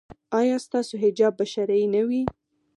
ایا ستاسو حجاب به شرعي نه وي؟